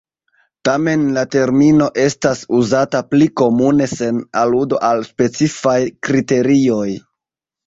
Tamen la termino estas uzata pli komune sen aludo al specifaj kriterioj.